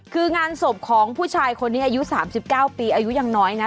คืองานศพของผู้ชายคนนี้อายุ๓๙ปีอายุยังน้อยนะ